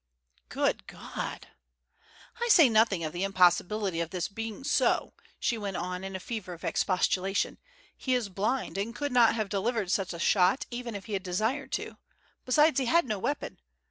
"Good God!" "I say nothing of the impossibility of this being so," she went on in a fever of expostulation. "He is blind, and could not have delivered such a shot even if he had desired to; besides, he had no weapon.